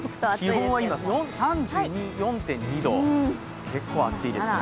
気温は今、３４．２度、結構暑いですね。